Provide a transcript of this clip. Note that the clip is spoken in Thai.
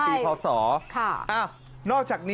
ปลูกมะพร้าน้ำหอมไว้๑๐ต้น